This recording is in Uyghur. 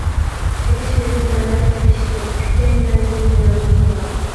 تىرىشمىدىم ئەمەس تىرىشتىم، كۈتكەن مەنزىل مېنىڭدىن يىراق.